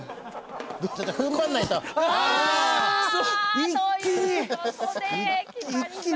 一気に！